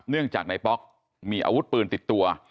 เนื่องจากนายป๊อกมีอาวุธปืนติดตัว